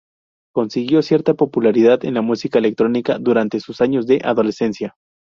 Consiguió cierta popularidad en la música electrónica durante sus años de adolescencia.